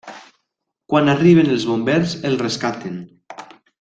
Quan arriben els bombers el rescaten.